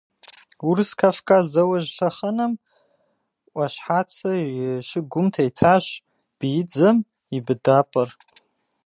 Урыс-Кавказ зауэжь лъэхъэнэм Ӏуащхьацэ и щыгум тетащ биидзэм и быдапӀэр.